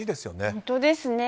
本当ですね。